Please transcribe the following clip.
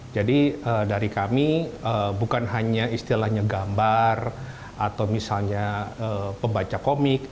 jadi dari kami bukan hanya istilahnya gambar atau misalnya pembaca komik